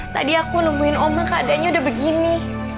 tadi aku nemuin oma keadaannya udah begini